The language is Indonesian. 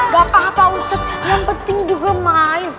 gapapa ustadz yang penting juga main